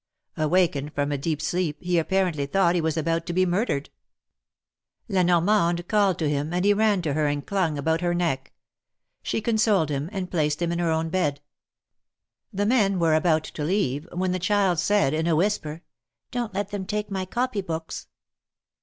Awakened from a deep sleep, he apparently thought he was about to be murdered. La Normande called to him, and he ran to her and clung about her neck. She consoled him, and placed him in her own bed. The men were about to leave, when the child said, in a whisper : Don't let them take my copy books."